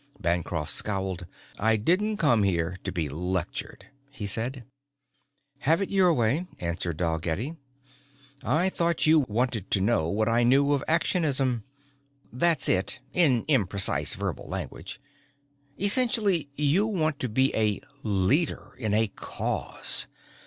Bancroft scowled. "I didn't come here to be lectured," he said. "Have it your way," answered Dalgetty. "I thought you wanted to know what I knew of Actionism. That's it in unprecise verbal language. Essentially you want to be a Leader in a Cause.